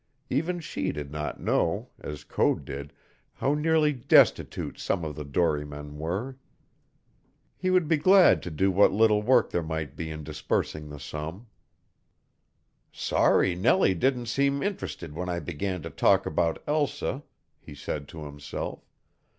Even she did not know, as Code did, how nearly destitute some of the dorymen were. He would be glad to do what little work there might be in disbursing the sum. "Sorry Nellie didn't seem interested when I began to talk about Elsa," he said to himself.